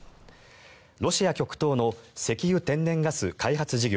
ロシア極東の石油・天然ガス開発事業